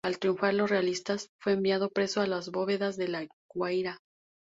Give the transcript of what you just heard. Al triunfar los realistas, fue enviado preso a las bóvedas de La Guaira.